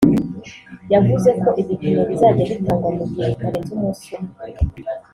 yavuze ko ibipimo bizajya bitagwa mu gihe kitarenze umunsi umwe